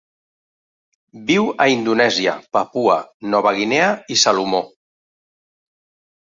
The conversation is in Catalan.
Viu a Indonèsia, Papua Nova Guinea i Salomó.